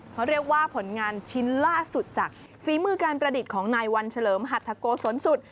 เขาเรียกว่าผลงานชิ้นล่าสุดจากฝีมือการประดิษฐ์ของนายวันเฉลิมหัทธโกศลสุด